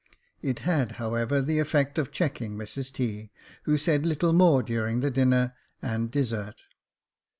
It had, however, the effect of checking Mrs T., who said little more during the dinner and dessert.